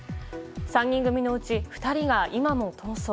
３人組のうち２人が今も逃走。